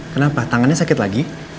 kenapa tangannya sakit lagi